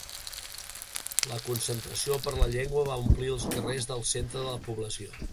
La concentració per la llengua va omplir els carrers del centre de la població